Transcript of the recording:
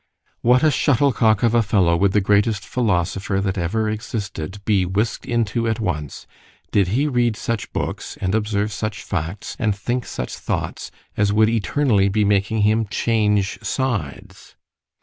What a shuttlecock of a fellow would the greatest philosopher that ever existed be whisk'd into at once, did he read such books, and observe such facts, and think such thoughts, as would eternally be making him change sides!